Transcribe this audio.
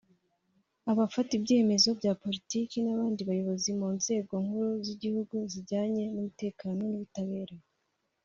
abafata ibyemezo bya Politiki n’abandi bayobozi mu nzego nkuru z’igihugu zijyanye n’umutekano n’ubutabera